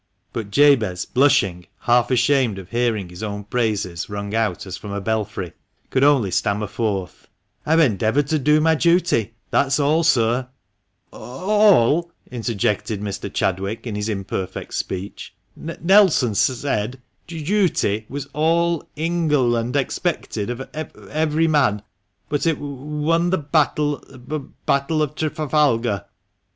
But Jabez, blushing, half ashamed of hearing his own praises rung out as from a belfry, could only stammer forth —" I've endeavoured to do my duty, that is all, sir." " A — 11 !" interjected Mr. Chadwick, in his imperfect speech, "Nelson sa — said du — u — ty was all Engla — and expected of ev — ev'ry man, but it w — won the b — battle of Tr — Trafalgar